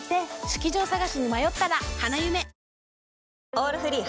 「オールフリー」